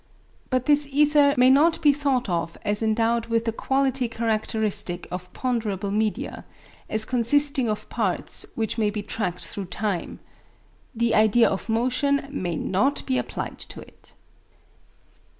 But this ether may not be thought of as endowed with the quality characteristic of ponderable media, as consisting of parts which may be tracked through time. The idea of motion may not be applied to it.